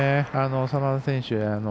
眞田選手